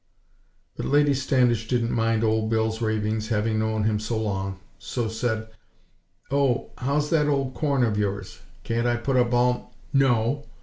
_" But Lady Standish didn't mind Old Bill's ravings having known him so long; so said: "Oh, how's that old corn of yours? Can't I put a balm " "_No!